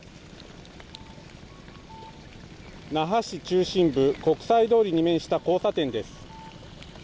那覇市中心部、国際通りに面した交差点です。